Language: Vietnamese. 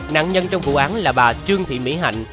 nạn nhân trong vụ án là bà trương thị mỹ hạnh